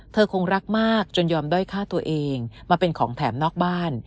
คงรักมากจนยอมด้อยฆ่าตัวเองมาเป็นของแถมนอกบ้าน